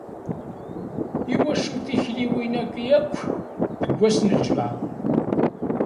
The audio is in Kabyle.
I wacu tikliwin-agi akk deg wass n lǧemεa?